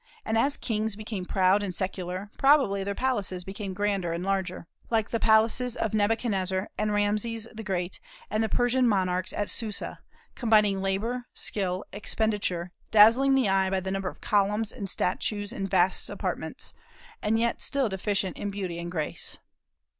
And as kings became proud and secular, probably their palaces became grander and larger, like the palaces of Nebuchadnezzar and Rameses the Great and the Persian monarchs at Susa, combining labor, skill, expenditure, dazzling the eye by the number of columns and statues and vast apartments, yet still deficient in beauty and grace.